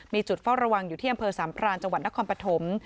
มีจุดเฝ้าระวังอยู่ที่อำเภอสามพรานจังหวัดนครปฐม